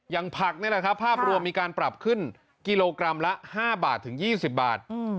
ผักนี่แหละครับภาพรวมมีการปรับขึ้นกิโลกรัมละ๕บาทถึง๒๐บาท